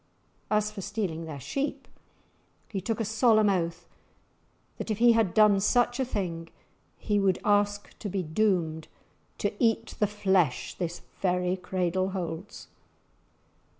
As for stealing their sheep, he took a solemn oath that if he had done such a thing he would ask to be doomed to "eat the flesh this very cradle holds!"